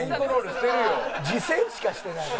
「自制しかしてない。